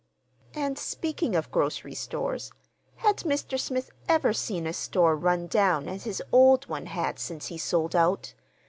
And speaking of grocery stores, had Mr. Smith ever seen a store run down as his old one had since he sold out?